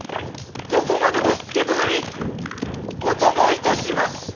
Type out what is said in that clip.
どこまでも佐殿にお供いたします！